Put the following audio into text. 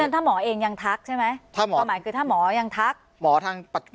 ถ้าหมอเองยังทักใช่ไหมหมายคือถ้าหมอยังทักถ้าหมอ